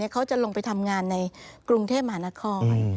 เขาจะลงไปทำงานในกรุงเทพมหานคร